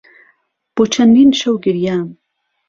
بۆ چەندین شەو گریام.